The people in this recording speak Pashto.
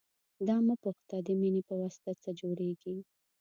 دا مه پوښته د مینې پواسطه څه جوړېږي.